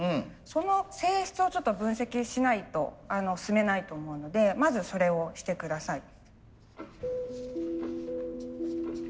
その性質をちょっと分析しないと進めないと思うのでまずそれをして下さい。